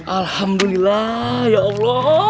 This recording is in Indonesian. alhamdulillah ya allah